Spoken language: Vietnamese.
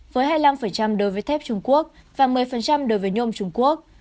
với hai mươi năm đối với thép trung quốc và một mươi đối với nhôm trung quốc